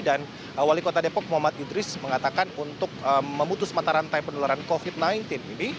dan wali kota depok muhammad idris mengatakan untuk memutus mata rantai pendularan covid sembilan belas ini